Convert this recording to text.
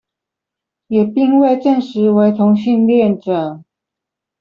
也並未證實為同性戀者